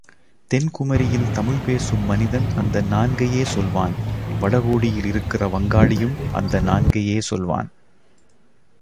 தென் குமரியில் தமிழ் பேசும் மனிதன் அந்த நான்கையே சொல்வான் வடகோடியில் இருக்கிற வங்காளியும் அந்த நான்கையே சொல்வான்.